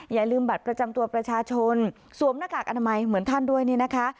อย่าลืมบัตรประจำตัวประชาชนสวมหน้ากากอนามัยเหมือนท่านด้วยนี่นะคะ